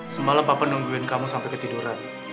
semalam papa nungguin kamu sampai ketiduran